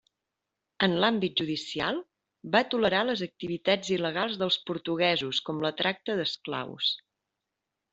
En l'àmbit judicial, va tolerar les activitats il·legals dels portuguesos, com la tracta d'esclaus.